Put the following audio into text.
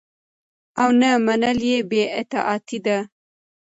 او نه منل يي بي اطاعتي ده